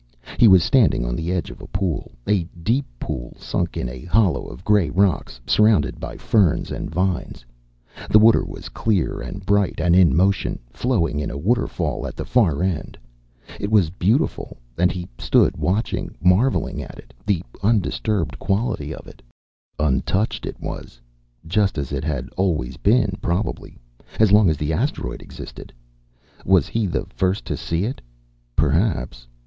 He was standing on the edge of a pool, a deep pool sunk in a hollow of grey rocks, surrounded by ferns and vines. The water was clear and bright, and in motion, flowing in a waterfall at the far end. It was beautiful, and he stood watching, marveling at it, the undisturbed quality of it. Untouched, it was. Just as it had always been, probably. As long as the asteroid existed. Was he the first to see it? Perhaps.